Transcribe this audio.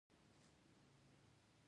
هغه د هوا د څپو له لارې د غږ لېږد غوښت